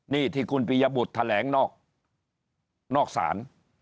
นี่ที่คุณปียบุตรแถลงนอกศาล